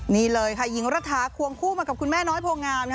นี่เลยค่ะหญิงรัฐาควงคู่มากับคุณแม่น้อยโพงาม